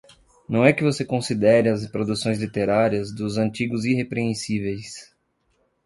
Não é que você considere as produções literárias dos antigos irrepreensíveis.